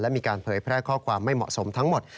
มีการเผยแพร่ข้อความไม่เหมาะสมทั้งหมด